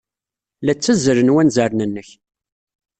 La ttazzalen wanzaren-nnek.